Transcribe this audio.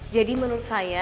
jadi menurut saya